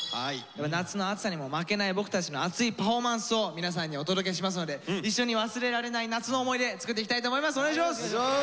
夏の暑さにも負けない僕たちのアツいパフォーマンスを皆さんにお届けしますので一緒に忘れられない夏の思い出作っていきたいと思います。